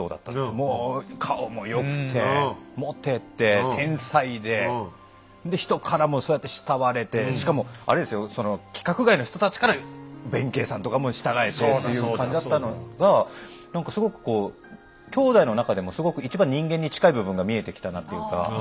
もう顔も良くてモテて天才でで人からもそうやって慕われてしかもあれですよその規格外の人たちから弁慶さんとかも従えてという感じだったのが何かすごくこう兄弟の中でもすごく一番人間に近い部分が見えてきたなっていうか